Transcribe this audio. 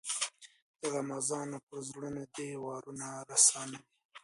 د غمازانو پر زړونو دي وارونه رسا نه دي.